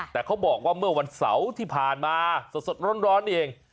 แต่เขาบอกว่าเมื่อวันเสาร์ที่ผ่านมาสดร้อนนี่เอง